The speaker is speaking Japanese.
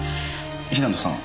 平野さん。